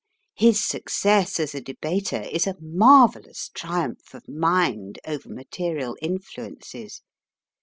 His success as a debater is a marvellous triumph of mind over material influences.